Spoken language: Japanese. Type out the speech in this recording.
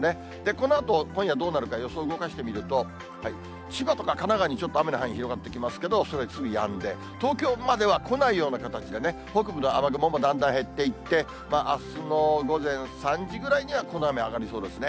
このあと、今夜どうなるか予想、動かしてみると、千葉とか神奈川にちょっと雨の範囲広がってきますけれども、それはすぐやんで、東京までは来ないような形でね、北部の雨雲もだんだん減っていって、あすの午前３時ぐらいにはこの雨は上がりそうですね。